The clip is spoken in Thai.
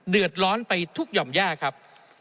เดือดร้อนไปทุกหย่อมย่าครับ